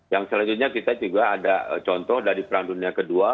yang selanjutnya kita juga ada contoh dari perang dunia ii